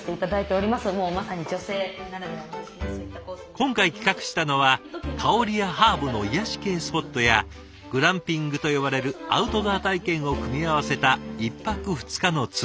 今回企画したのは香りやハーブの癒やし系スポットやグランピングと呼ばれるアウトドア体験を組み合わせた１泊２日のツアー。